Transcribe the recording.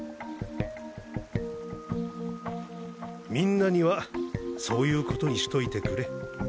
みんなにはそういう事にしといてくれ。